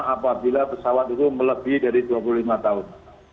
apabila pesawat itu melebih dari dua puluh lima tahun